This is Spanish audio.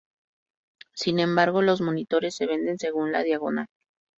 Sin embargo los monitores se venden según la diagonal.